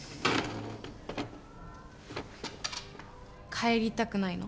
帰りたくないの？